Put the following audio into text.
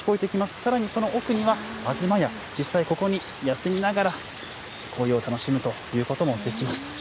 さらに、その奥にはあずまや、実際ここに休みながら、紅葉を楽しむということもできます。